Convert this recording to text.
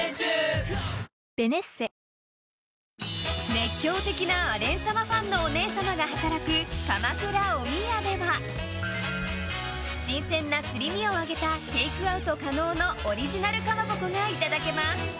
熱狂的なアレン様ファンのお姉様が働くカマクラおみやでは新鮮なすり身を揚げたテイクアウト可能のオリジナルかまぼこがいただけます。